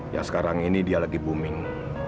ya sekarang ini dia lagi booming